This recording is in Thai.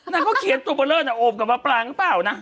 นั่นเขาเขียนตัวเบลอดโอบกับมะปังหรือเปล่านะ